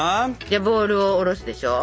ボウルを下ろすでしょ。